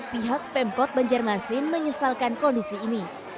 pihak pemkot banjarmasin menyesalkan kondisi ini